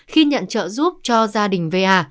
khi nhận trợ giúp cho gia đình va